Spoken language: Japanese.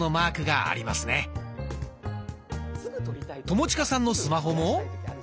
友近さんのスマホも。